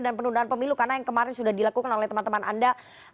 dan penundaan pemilu karena yang kemarin sudah dilakukan oleh teman teman anda